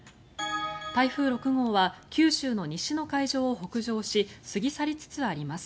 台風６号は九州の西の海上を北上し過ぎ去りつつあります。